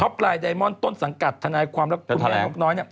ท็อปไลน์ไดมอนด์ต้นสังกัดทนายความรักคุณแม่นกน้อย